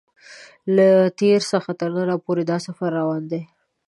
له تېر څخه تر نن پورې دا سفر روان دی.